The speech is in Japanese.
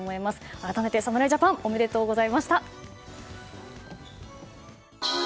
改めて侍ジャパンおめでとうございました。